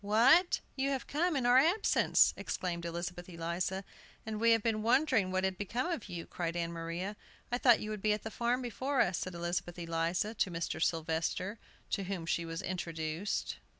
"What! you have come in our absence!" exclaimed Elizabeth Eliza. "And we have been wondering what had become of you!" cried Ann Maria. "I thought you would be at the farm before us," said Elizabeth Eliza to Mr. Sylvester, to whom she was introduced.